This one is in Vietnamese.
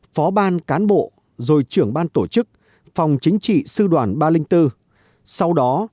phó ban các chức vụ